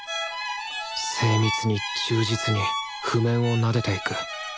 精密に忠実に譜面をなでていく。